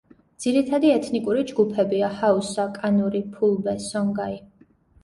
ძირითადი ეთნიკური ჯგუფებია: ჰაუსა, კანური, ფულბე, სონგაი.